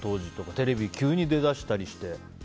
テレビ、急に出だしたりして。